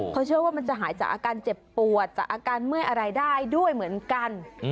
เขาเชื่อว่ามันจะหายจากอาการเจ็บปวดจากอาการเมื่อยอะไรได้ด้วยเหมือนกัน